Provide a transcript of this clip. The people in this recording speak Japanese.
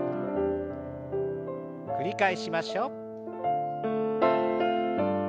繰り返しましょう。